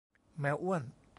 แมวอ้วน